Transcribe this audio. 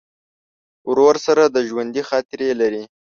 ورور سره د ژوندي خاطرې لرې.